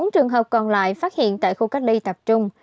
bốn trường hợp còn lại phát hiện tại khu cách ly tập trung